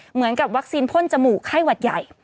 เหมือนกับวัคซีนพ่นจมูกไข้หวัดใหญ่